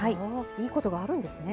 いいことがあるんですね。